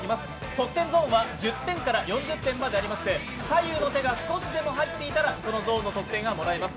得点ゾーンは１０点から４０点までありまして左右の手が少しでも入っていたら、そのゾーンの得点がもらえます。